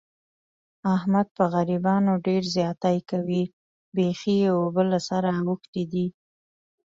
احمد په غریبانو ډېر زیاتی کوي. بیخي یې اوبه له سره اوښتې دي.